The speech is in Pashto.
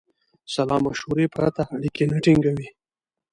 سلامشورې پرته اړیکې نه ټینګوي.